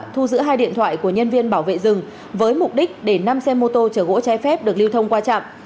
thu giữ hai điện thoại của nhân viên bảo vệ rừng với mục đích để năm xe mô tô chở gỗ trái phép được lưu thông qua trạm